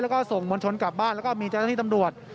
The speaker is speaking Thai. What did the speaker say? แล้วก็ส่งมวลชนกลับบ้านแล้วก็มีเจ้าหน้าที่ตำรวจ